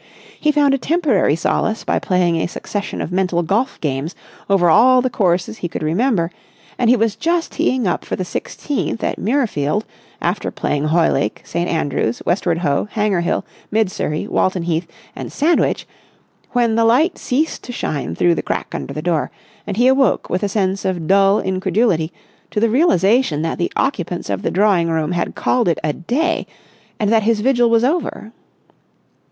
He found a temporary solace by playing a succession of mental golf games over all the courses he could remember, and he was just teeing up for the sixteenth at Muirfield, after playing Hoylake, St. Andrew's, Westward Ho, Hanger Hill, Mid Surrey, Walton Heath, and Sandwich, when the light ceased to shine through the crack under the door, and he awoke with a sense of dull incredulity to the realisation that the occupants of the drawing room had called it a day and that his vigil was over.